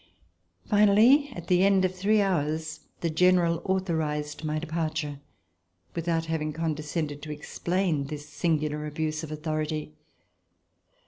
Finally, at the end of three hours, the general author ized my departure, without having condescended to explain this singular abuse of authority.